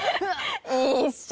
いいっしょ